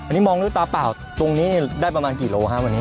อันนี้มองด้วยตาเปล่าตรงนี้ได้ประมาณกี่โลครับวันนี้